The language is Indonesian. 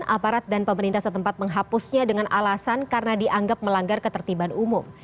aparat dan pemerintah setempat menghapusnya dengan alasan karena dianggap melanggar ketertiban umum